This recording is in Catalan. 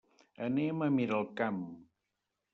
Anem a Miralcamp.